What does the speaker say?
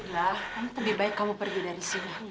ya lebih baik kamu pergi dari sini